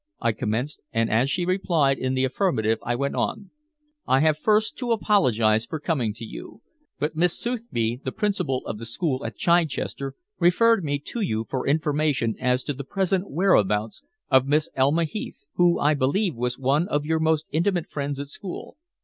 I commenced, and as she replied in the affirmative I went on: "I have first to apologize for coming to you, but Miss Sotheby, the principal of the school at Chichester, referred me to you for information as to the present whereabouts of Miss Elma Heath, who, I believe, was one of your most intimate friends at school."